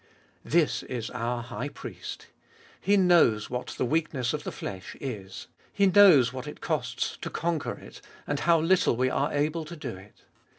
This is our High Priest. He knows what the weakness of 186 Cbe ibolfest of HU the flesh is. He knows what it costs to conquer it, and how little we are able to do it.